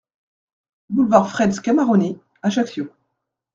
Boulevard Fred Scamaroni, Ajaccio